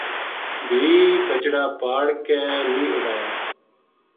بھی بچڑا پاڑ کے نیہہ اُڈایا‘‘